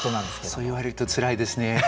そう言われるとつらいですね。